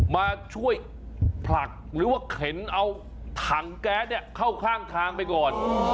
มาช่วยผลักหรือว่าเข็นเอาถังแก๊สเนี่ยเข้าข้างทางไปก่อน